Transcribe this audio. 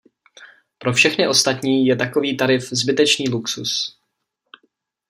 Pro všechny ostatní je takový tarif zbytečný luxus.